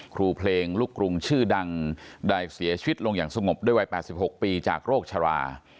ครูเพลงลูกกรุงชื่อดังได้เสียชีวิตลงอย่างสงบด้วยวัย๘๖ปีจากโรคชรา